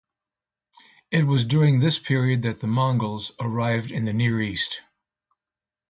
It was during this period that the Mongols arrived in the Near East.